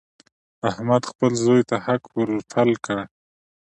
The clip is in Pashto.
احمد خپل زوی ته حق ور پل کړ.